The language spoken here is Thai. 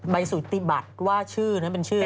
สุติบัติว่าชื่อนั้นเป็นชื่ออะไร